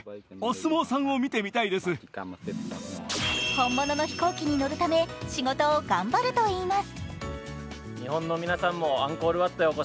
本物の飛行機に乗るため仕事を頑張ると言います。